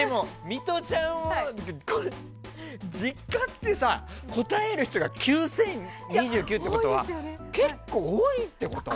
実家って答える人が９０２９ってことは結構、多いってこと？